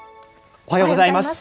おはようございます。